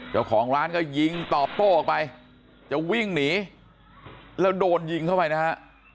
เจ้าของร้านก็ยิงตอบโต้ออกไปจะวิ่งหนีแล้วโดนยิงเข้าไปนะฮะ